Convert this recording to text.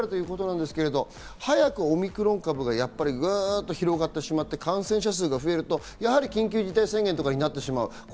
オミクロン株がグっと広がってしまって感染者数が増えるとやはり緊急事態宣言とかになってしまう。